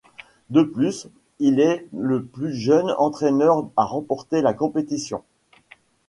De plus, il est le plus jeune entraîneur à remporter la compétition.